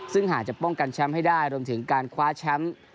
ซึ่งหากจะป้องกันแชมป์ให้ได้รวมถึงการคว้าแชมป์